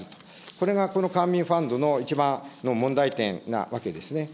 これがこういう官民ファンドの一番の問題点なわけですね。